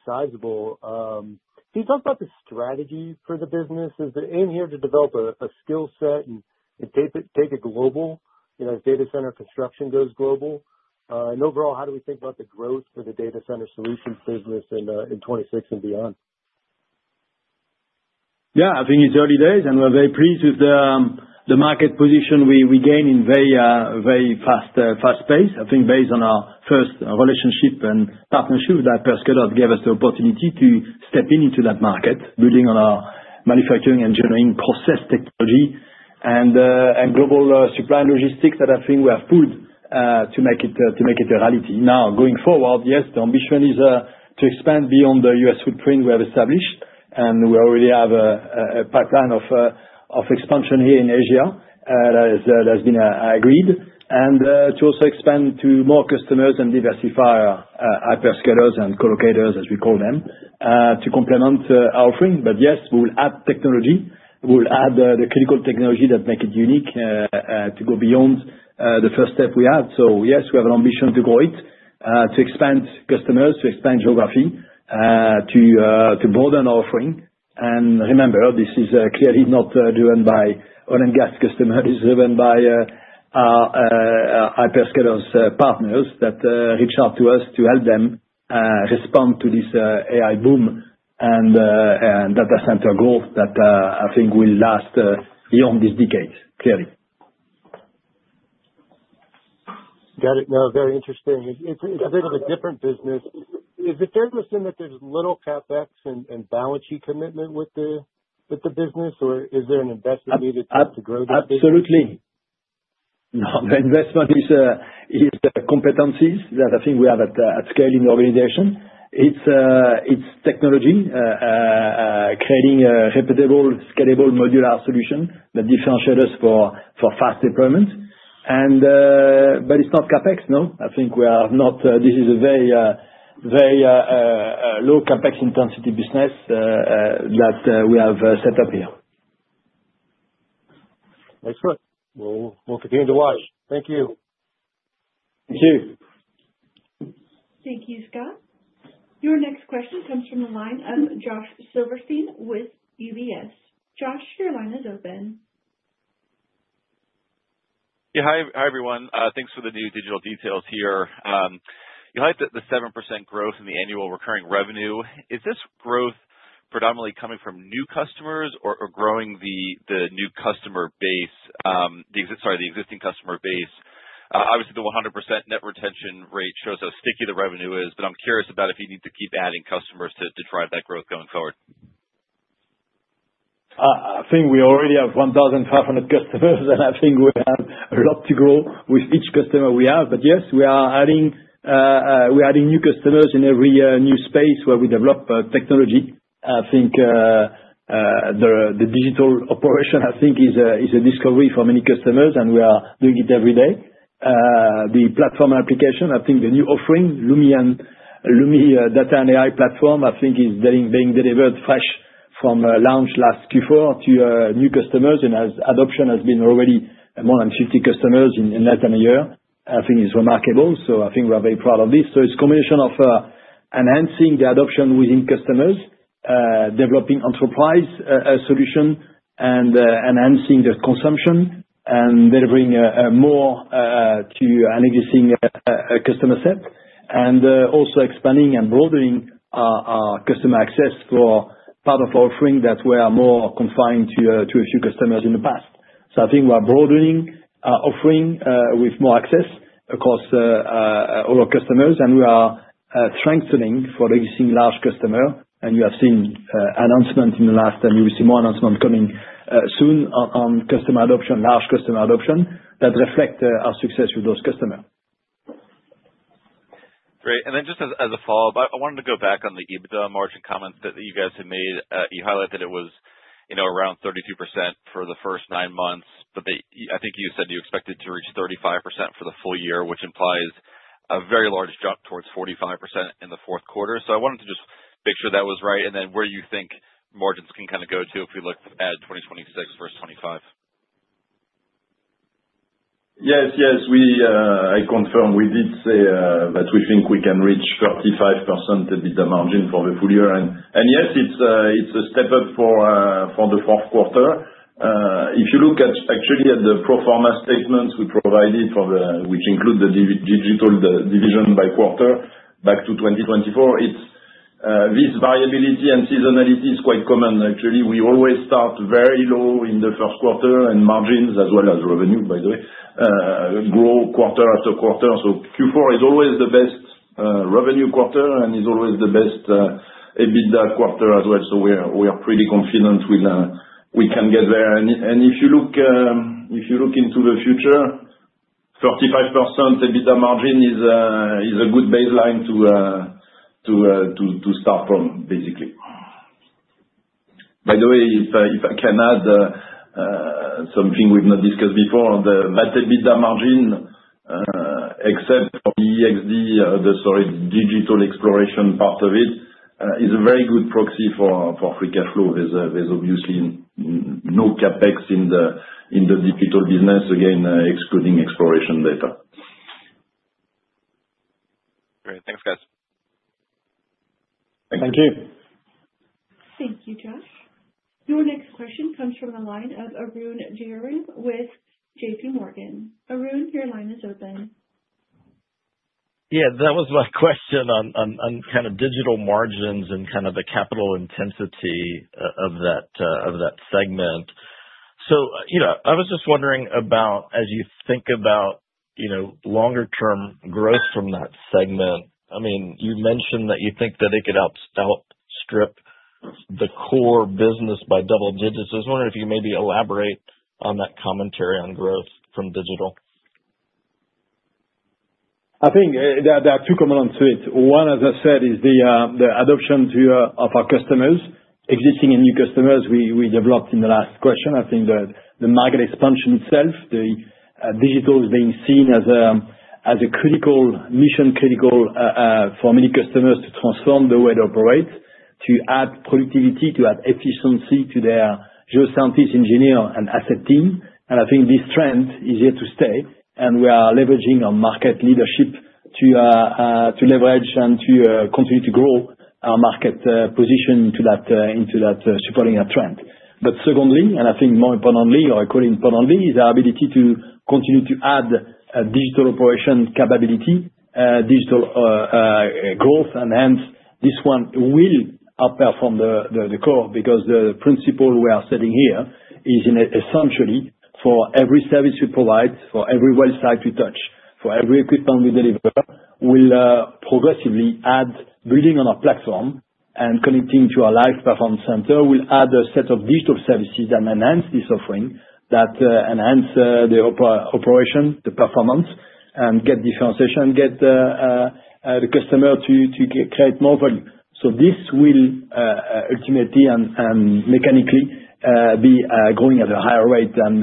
Speaker 7: sizable. Can you talk about the strategy for the business? Is the aim here to develop a skill set and take it global as data center construction goes global? And overall, how do we think about the growth for the data center solutions business in 2026 and beyond?
Speaker 3: Yeah. I think it's early days, and we're very pleased with the market position we gained in very fast space. I think based on our first relationship and partnership that a hyperscaler gave us the opportunity to step into that market, building on our manufacturing and generating process technology and global supply logistics that I think we have pooled to make it a reality. Now, going forward, yes, the ambition is to expand beyond the U.S. footprint we have established, and we already have a pipeline of expansion here in Asia that has been agreed, and to also expand to more customers and diversify our hyperscalers and colocators, as we call them, to complement our offering. But yes, we will add technology. We'll add the critical technology that makes it unique to go beyond the first step we have. So yes, we have an ambition to grow it, to expand customers, to expand geography, to broaden our offering. And remember, this is clearly not driven by oil and gas customers. It's driven by our hyperscaler partners that reach out to us to help them respond to this AI boom and data center growth that I think will last beyond this decade, clearly.
Speaker 7: Got it. No, very interesting. It's a bit of a different business. Is it fair to assume that there's little CapEx and balance sheet commitment with the business, or is there an investment needed to grow this business?
Speaker 3: Absolutely. No, the investment is the competencies that I think we have at scale in the organization. It's technology, creating a reputable, scalable modular solution that differentiates us for fast deployment. But it's not CapEx, no. I think. We are not. This is a very low CapEx intensity business that we have set up here.
Speaker 7: Excellent. Well, we'll continue to watch. Thank you.
Speaker 3: Thank you.
Speaker 1: Thank you, Scott. Your next question comes from the line of Josh Silverstein with UBS. Josh, your line is open.
Speaker 8: Yeah. Hi, everyone. Thanks for the new Digital details here. You highlighted the 7% growth in the annual recurring revenue. Is this growth predominantly coming from new customers or growing the new customer base, sorry, the existing customer base? Obviously, the 100% net retention rate shows how sticky the revenue is, but I'm curious about if you need to keep adding customers to drive that growth going forward.
Speaker 3: I think we already have 1,500 customers, and I think we have a lot to grow with each customer we have, but yes, we are adding new customers in every new space where we develop technology. I think the Digital operation, I think, is a discovery for many customers, and we are doing it every day. The platform application, I think the new offering, Lumi and Lumi data and AI platform, I think is being delivered fresh from launch last Q4 to new customers, and adoption has been already more than 50 customers in less than a year. I think it's remarkable, so I think we're very proud of this. So it's a combination of enhancing the adoption within customers, developing enterprise solution, and enhancing the consumption and delivering more to an existing customer set, and also expanding and broadening our customer access for part of our offering that we are more confined to a few customers in the past. So I think we are broadening our offering with more access across all our customers, and we are strengthening for the existing large customer. And you have seen announcements in the last, and you will see more announcements coming soon on customer adoption, large customer adoption that reflect our success with those customers.
Speaker 8: Great. And then just as a follow-up, I wanted to go back on the EBITDA margin comments that you guys had made. You highlighted that it was around 32% for the first nine months, but I think you said you expected to reach 35% for the full year, which implies a very large jump towards 45% in the fourth quarter. So I wanted to just make sure that was right, and then where you think margins can kind of go to if we look at 2026 versus 2025.
Speaker 4: Yes, yes. I confirm we did say that we think we can reach 35% EBITDA margin for the full year. And yes, it's a step up for the fourth quarter. If you look, actually, at the pro forma statements we provided, which include the Digital division by quarter back to 2024, this variability and seasonality is quite common. Actually, we always start very low in the first quarter, and margins, as well as revenue, by the way, grow quarter after quarter. So Q4 is always the best revenue quarter, and it's always the best EBITDA quarter as well. So we are pretty confident we can get there. And if you look into the future, 35% EBITDA margin is a good baseline to start from, basically. By the way, if I can add something we've not discussed before, the net EBITDA margin, except for the EXD, the digital exploration part of it, is a very good proxy for free cash flow. There's obviously no CapEx in the Digital business, again, excluding exploration data.
Speaker 8: Great. Thanks, guys.
Speaker 3: Thank you.
Speaker 1: Thank you, Josh. Your next question comes from the line of Arun Jayaram with JPMorgan. Arun, your line is open.
Speaker 9: Yeah. That was my question on kind of digital margins and kind of the capital intensity of that segment. So I was just wondering about as you think about longer-term growth from that segment. I mean, you mentioned that you think that it could outstrip the core business by double digits. I was wondering if you could maybe elaborate on that commentary on growth from Digital.
Speaker 3: I think there are two comments to it. One, as I said, is the adoption of our customers, existing and new customers we developed in the last question. I think the market expansion itself, the Digital is being seen as a critical mission, critical for many customers to transform the way they operate, to add productivity, to add efficiency to their geoscientists, engineers, and asset team. And I think this trend is here to stay, and we are leveraging our market leadership to leverage and to continue to grow our market position into that supporting that trend. But secondly, and I think more importantly, or equally importantly, is our ability to continue to add Digital Operations capability, Digital growth, and hence this one will outperform the core because the principle we are setting here is essentially for every service we provide, for every wellsite we touch, for every equipment we deliver, we'll progressively add, building on our platform and connecting to our live performance center, we'll add a set of digital services that enhance this offering, that enhance the operation, the performance, and get differentiation, get the customer to create more value. So this will ultimately and mechanically be growing at a higher rate than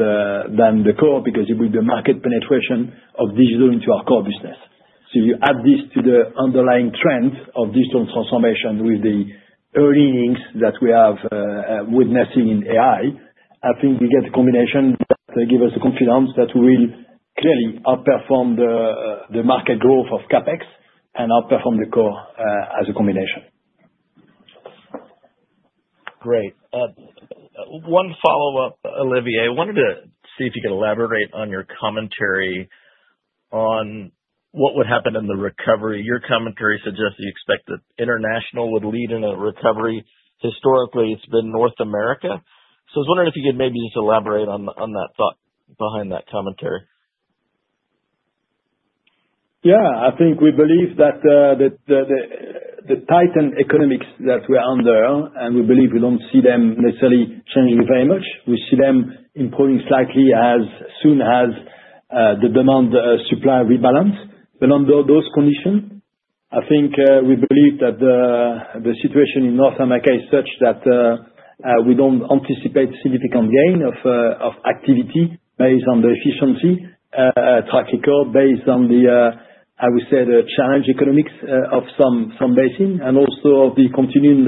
Speaker 3: the core because it will be market penetration of Digital into our core business. So you add this to the underlying trend of digital transformation with the early innings that we are witnessing in AI. I think we get a combination that gives us the confidence that we will clearly outperform the market growth of CapEx and outperform the core as a combination.
Speaker 9: Great. One follow-up, Olivier. I wanted to see if you could elaborate on your commentary on what would happen in the recovery. Your commentary suggests you expect that international would lead in a recovery. Historically, it's been North America. So I was wondering if you could maybe just elaborate on that thought behind that commentary.
Speaker 3: Yeah. I think we believe that the tightened economics that we are under, and we believe we don't see them necessarily changing very much. We see them improving slightly as soon as the demand-supply rebalance. But under those conditions, I think we believe that the situation in North America is such that we don't anticipate significant gain of activity based on the efficiency track record based on the, I would say, the challenging economics of some basins, and also of the continued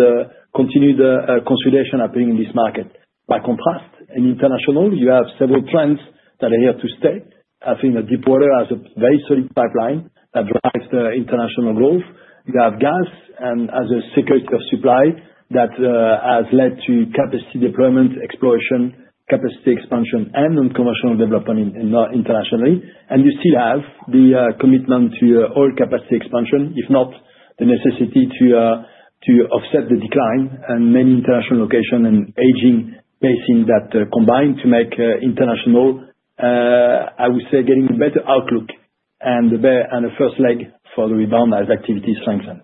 Speaker 3: consolidation happening in this market. By contrast, in International, you have several trends that are here to stay. I think the deepwater has a very solid pipeline that drives the international growth. You have gas and other security of supply that has led to capacity deployment, exploration, capacity expansion, and non-commercial development internationally, and you still have the commitment to all capacity expansion, if not the necessity to offset the decline, and many international locations and aging basins that combine to make international, I would say, getting a better outlook and a first leg for the rebound as activity strengthens.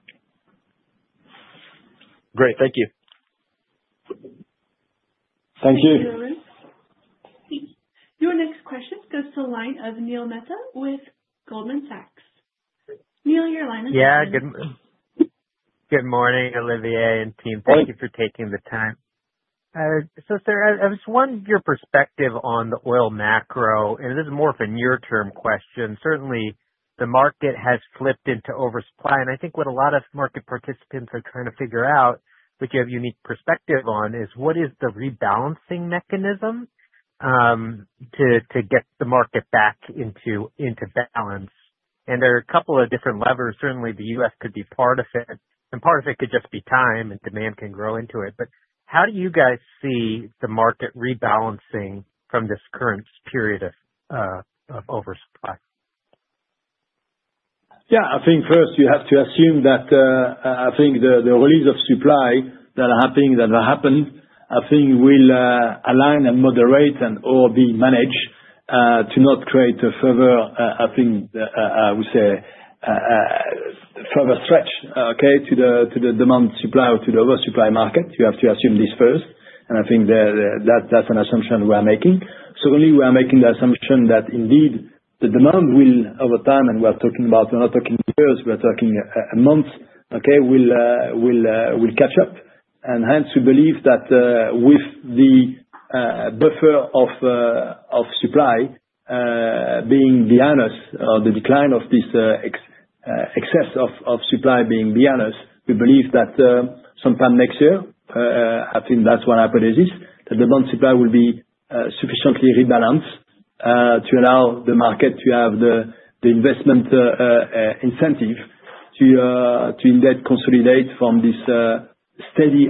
Speaker 9: Great. Thank you.
Speaker 3: Thank you.
Speaker 1: Thank you, Arun. Your next question goes to the line of Neil Mehta with Goldman Sachs. Neil, your line is open.
Speaker 10: Yeah. Good morning, Olivier and team. Thank you for taking the time. So sir, I just want your perspective on the oil macro, and this is more of a near-term question. Certainly, the market has flipped into oversupply. And I think what a lot of market participants are trying to figure out, which you have a unique perspective on, is what is the rebalancing mechanism to get the market back into balance? And there are a couple of different levers. Certainly, the U.S. could be part of it, and part of it could just be time and demand can grow into it. But how do you guys see the market rebalancing from this current period of oversupply?
Speaker 3: Yeah. I think first you have to assume that I think the release of supply that are happening that will happen, I think, will align and moderate and/or be managed to not create a further, I think, I would say, further stretch, okay, to the demand-supply or to the oversupply market. You have to assume this first, and I think that's an assumption we are making. Certainly, we are making the assumption that indeed the demand will over time, and we're not talking years, we're talking months, okay, will catch up. And hence, we believe that with the buffer of supply being behind us, or the decline of this excess of supply being behind us, we believe that sometime next year, I think that's what happens is, that demand-supply will be sufficiently rebalanced to allow the market to have the investment incentive to indeed consolidate from this steady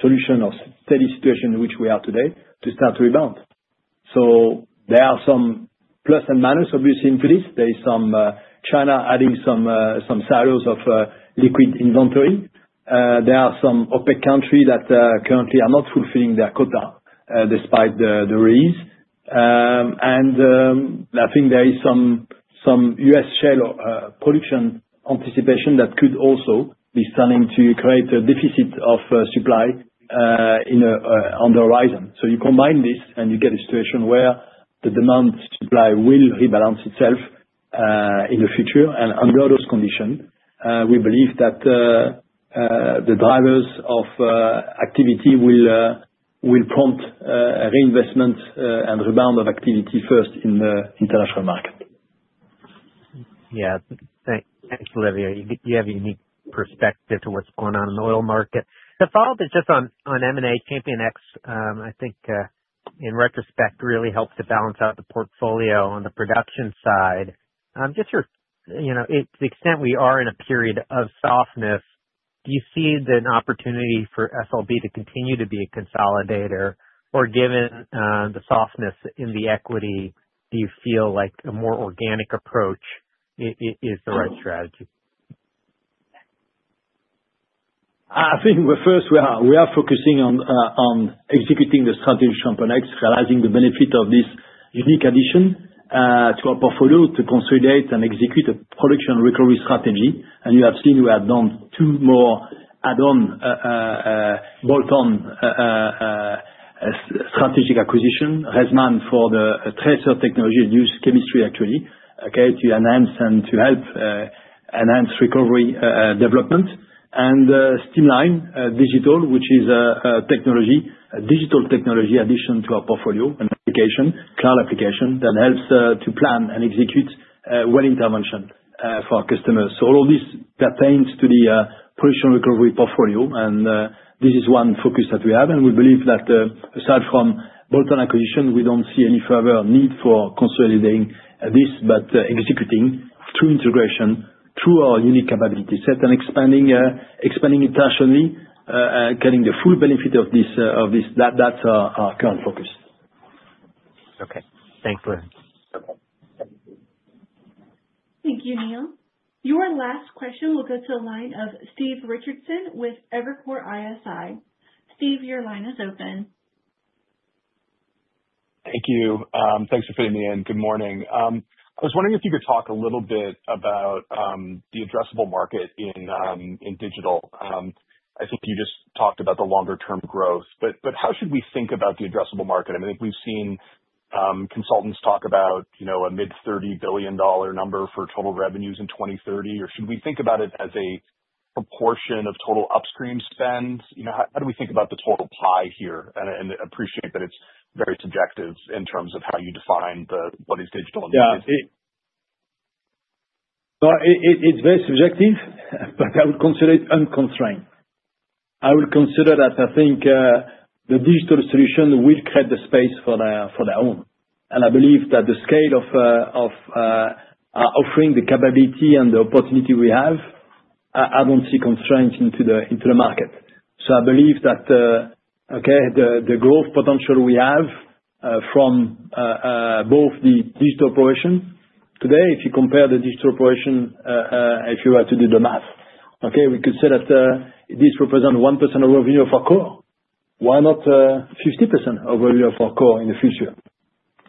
Speaker 3: solution or steady situation in which we are today to start to rebound. So there are some plus and minus, obviously, into this. There is some China adding some silos of liquid inventory. There are some OPEC countries that currently are not fulfilling their quota despite the release. And I think there is some U.S. shale production anticipation that could also be starting to create a deficit of supply on the horizon. So you combine this, and you get a situation where the demand-supply will rebalance itself in the future. And under those conditions, we believe that the drivers of activity will prompt reinvestment and rebound of activity first in the international market.
Speaker 10: Yeah. Thanks, Olivier. You have a unique perspective to what's going on in the oil market. The follow-up is just on M&A, ChampionX. I think in retrospect, it really helped to balance out the portfolio on the production side. Just to the extent we are in a period of softness, do you see an opportunity for SLB to continue to be a consolidator? Or given the softness in the equity, do you feel like a more organic approach is the right strategy?
Speaker 3: I think first we are focusing on executing the strategy of ChampionX, realizing the benefit of this unique addition to our portfolio to consolidate and execute a production recovery strategy. And you have seen we have done two more add-on bolt-on strategic acquisitions, RESMAN for the tracer technology and use chemistry, actually, okay, to enhance and to help enhance recovery development. And Stimline Digital, which is a digital technology addition to our portfolio and application, cloud application that helps to plan and execute well intervention for our customers. So all of this pertains to the production recovery portfolio. And this is one focus that we have. And we believe that aside from bolt-on acquisition, we don't see any further need for consolidating this, but executing through integration, through our unique capability set and expanding internationally, getting the full benefit of this. That's our current focus.
Speaker 10: Okay. Thanks, Arun.
Speaker 1: Thank you, Neil. Your last question will go to the line of Steve Richardson with Evercore ISI. Steve, your line is open.
Speaker 11: Thank you. Thanks for fitting me in. Good morning. I was wondering if you could talk a little bit about the addressable market in Digital. I think you just talked about the longer-term growth, but how should we think about the addressable market? I mean, we've seen consultants talk about a mid-$30 billion number for total revenues in 2030, or should we think about it as a proportion of total upstream spend? How do we think about the total pie here, and I appreciate that it's very subjective in terms of how you define what is Digital and what is Digital.
Speaker 3: Yeah, well, it's very subjective, but I would consider it unconstrained. I would consider that I think the digital solution will create the space for their own, and I believe that the scale of offering the capability and the opportunity we have, I don't see constraints into the market. So I believe that the growth potential we have from both the Digital operation today, if you compare the Digital operation, if you were to do the math, we could say that this represents 1% of revenue of our core. Why not 50% of revenue of our core in the future?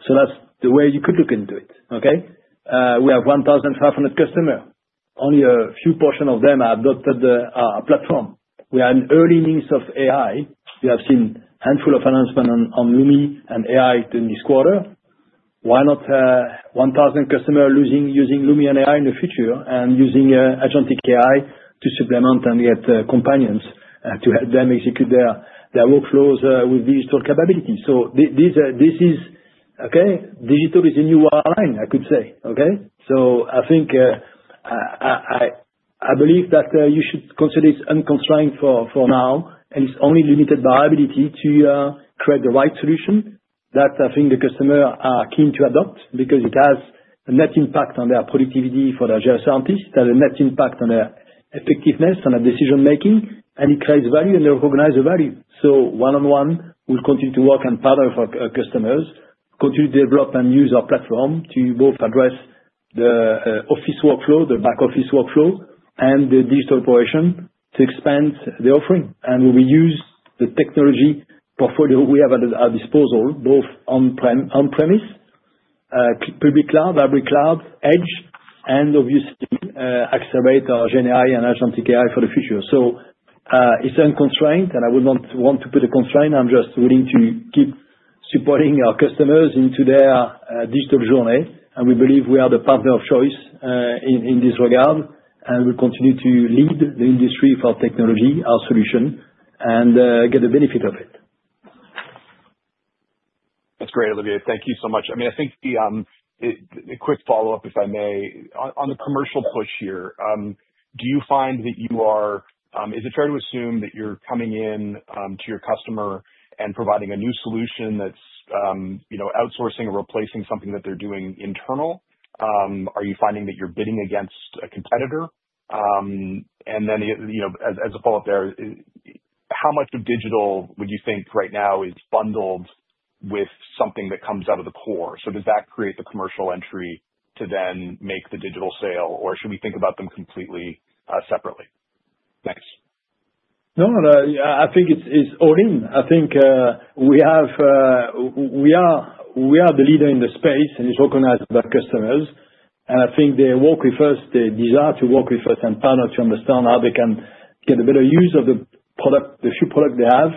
Speaker 3: So that's the way you could look into it. We have 1,500 customers. Only a few portions of them have adopted our platform. We are in early innings of AI. You have seen a handful of announcements on Lumi and AI in this quarter. Why not 1,000 customers using Lumi and AI in the future and using agentic AI to supplement and get companions to help them execute their workflows with digital capabilities? So this is digital, a new wireline, I could say. So, I think I believe that you should consider this unconstrained for now, and it's only limited by ability to create the right solution that I think the customers are keen to adopt because it has a net impact on their productivity for their geoscientists, has a net impact on their effectiveness and their decision-making, and it creates value and they recognize the value. So one-on-one, we'll continue to work and partner with our customers, continue to develop and use our platform to both address the office workflow, the back office workflow, and the Digital operation to expand the offering. And we will use the technology portfolio we have at our disposal, both on-premise, public cloud, hybrid cloud, edge, and obviously accelerate our GenAI and agentic AI for the future. So it's unconstrained, and I would not want to put a constraint. I'm just willing to keep supporting our customers into their Digital journey, and we believe we are the partner of choice in this regard, and we'll continue to lead the industry for technology, our solution, and get the benefit of it.
Speaker 11: That's great, Olivier. Thank you so much. I mean, I think a quick follow-up, if I may. On the commercial push here, do you find that, is it fair to assume that you're coming in to your customer and providing a new solution that's outsourcing or replacing something that they're doing internally? Are you finding that you're bidding against a competitor and then as a follow-up there, how much of Digital would you think right now is bundled with something that comes out of the core, so does that create the commercial entry to then make the Digital sale, or should we think about them completely separately?
Speaker 3: Thanks. No, I think it's all in. I think we are the leader in the space, and it's recognized by customers. And I think they work with us, they desire to work with us and partner to understand how they can get a better use of the few products they have.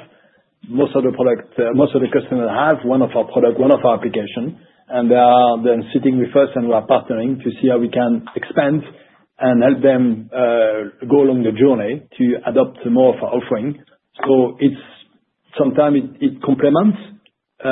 Speaker 3: Most of the products, most of the customers have one of our products, one of our applications. And they are then sitting with us, and we are partnering to see how we can expand and help them go along the journey to adopt more of our offering. So sometimes it complements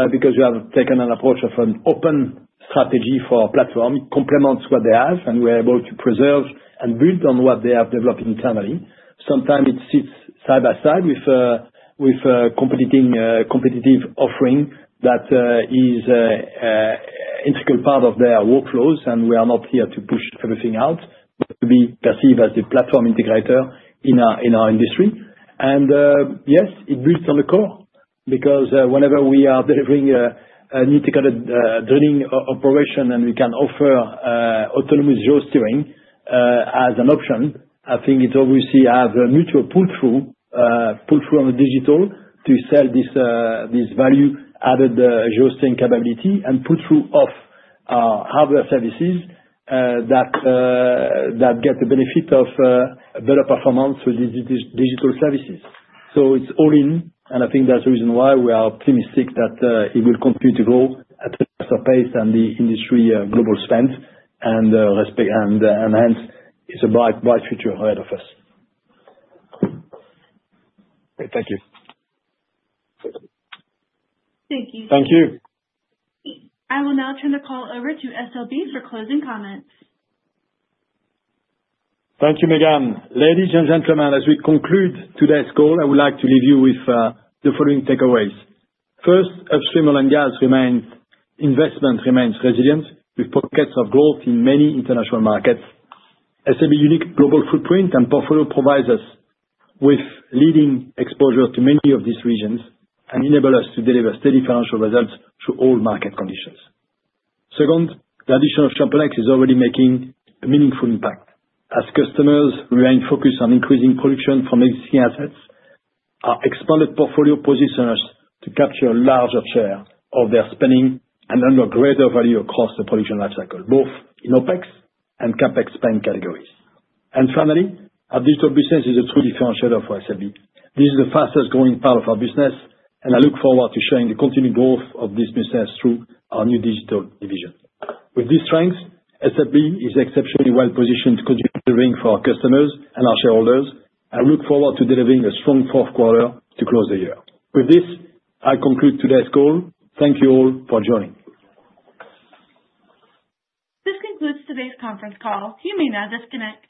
Speaker 3: because we have taken an approach of an open strategy for our platform. It complements what they have, and we're able to preserve and build on what they have developed internally. Sometimes it sits side by side with a competitive offering that is an integral part of their workflows, and we are not here to push everything out, but to be perceived as the platform integrator in our industry, and yes, it builds on the core because whenever we are delivering a need-to-cater drilling operation and we can offer autonomous joystick steering as an option, I think it obviously has a mutual pull-through on the Digital to sell this value-added joystick capability and pull-through off hardware services that get the benefit of better performance with these digital services, so it's all in, and I think that's the reason why we are optimistic that it will continue to grow at a faster pace than the industry global spend, and hence, it's a bright future ahead of us.
Speaker 11: Great. Thank you.
Speaker 1: Thank you.
Speaker 3: Thank you.
Speaker 1: I will now turn the call over to SLB for closing comments.
Speaker 3: Thank you, Megan. Ladies and gentlemen, as we conclude today's call, I would like to leave you with the following takeaways. First, upstream oil and gas investment remains resilient with pockets of growth in many international markets. SLB's unique global footprint and portfolio provides us with leading exposure to many of these regions and enables us to deliver steady financial results through all market conditions. Second, the addition of ChampionX is already making a meaningful impact as customers remain focused on increasing production from existing assets. Our expanded portfolio positions us to capture a larger share of their spending and deliver greater value across the production lifecycle, both in OpEx and CapEx spend categories. Finally, our Digital business is a true differentiator for SLB. This is the fastest-growing part of our business, and I look forward to showing the continued growth of this business through our new Digital division. With these strengths, SLB is exceptionally well-positioned to continue delivering for our customers and our shareholders. I look forward to delivering a strong fourth quarter to close the year. With this, I conclude today's call. Thank you all for joining.
Speaker 1: This concludes today's conference call. You may now disconnect.